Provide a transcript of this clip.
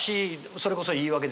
それこそ言い訳ですね。